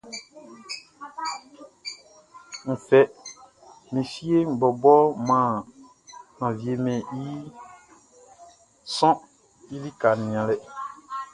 N fɛ, mi fieʼn bɔbɔʼn, mʼan wiemɛn i sɔʼn i lika nianlɛ.